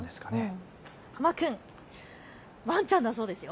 ハマくん、ワンちゃんだそうですよ。